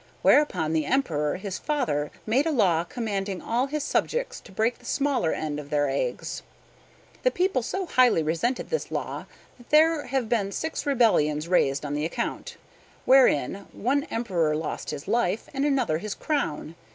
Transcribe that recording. Whereupon the Emperor, his father, made a law commanding all his subjects to break the smaller end of their eggs. The people so highly resented this law that there have been six rebellions raised on that account, wherein one emperor lost his life, and another his crown.